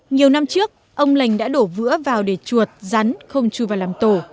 nhiều năm trước ông lành đã đổ vữa vào để chuột rắn không chui vào làm tổ